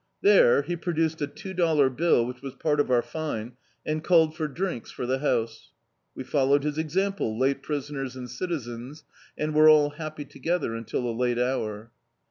There, he produced a two dollar bill, which was part of our fine, and called for drinks for the house. We followed his example, late prisoners and citizens, and were all happy together until a late hour.